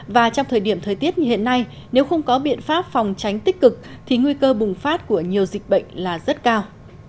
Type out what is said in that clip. và trong thời điểm thời tiết như hiện nay nếu không có biện pháp phòng tránh tích cực thì nguy cơ bùng phát của nhiều dịch bệnh là rất cao